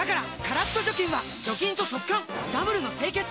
カラッと除菌は除菌と速乾ダブルの清潔！